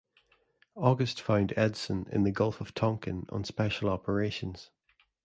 August found "Edson" in the Gulf of Tonkin on special operations.